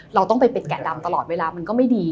เราต้องไปเป็นแกะดำตลอดเวลามันก็ไม่ดี